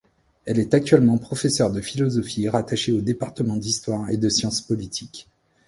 Elle est actuellement professeur de philosophie rattachée au Département d'histoire et de sciences politiques.